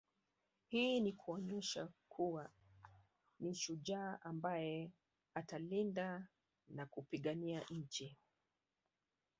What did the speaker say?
Hii ni kuonesha kuwa ni shujaa ambaye atalinda na kupigania nchi